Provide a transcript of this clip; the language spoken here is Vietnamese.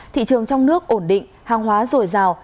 thị trường trong nước ổn định hàng hóa dồi dào